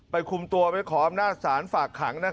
คุมตัวไปขออำนาจศาลฝากขัง